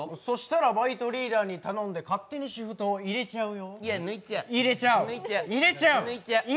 そしたらバイトリーダーに頼んで勝手にシフトを入れちゃうよ。